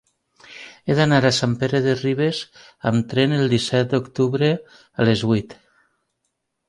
He d'anar a Sant Pere de Ribes amb tren el disset d'octubre a les vuit.